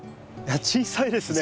小さいですね。